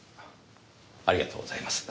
ありがとうございます。